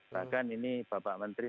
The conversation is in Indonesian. bahkan ini bapak menteri